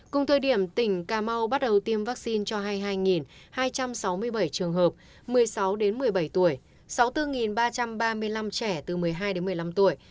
cùng thời điểm tỉnh cà mau bắt đầu tiêm vaccine cho hai mươi hai hai trăm sáu mươi bảy trường hợp một mươi sáu một mươi bảy tuổi sáu mươi bốn ba trăm ba mươi năm trẻ từ một mươi hai đến một mươi năm tuổi